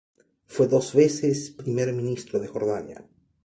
Fue dos veces primer ministro de Jordania.